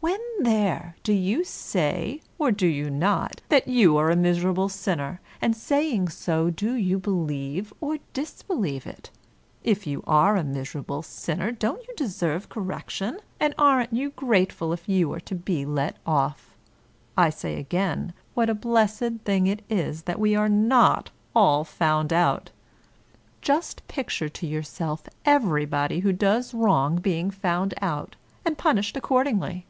When there, do you say, or do you not, that you are a miserable sinner, and saying so do you believe or disbelieve it ? If you are a M. S., don't you deserve cor rection, and aren't you grateful if you are to be let off? I say again what a blessed thing it is that we are not all found out ! Just picture to yourself everybody who does wrong be ing found out, and punished accordingly.